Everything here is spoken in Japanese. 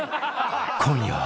［今夜は］